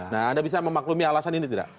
nah anda bisa memaklumi alasan ini tidak